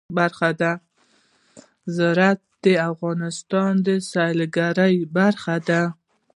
زراعت د افغانستان د سیلګرۍ برخه ده.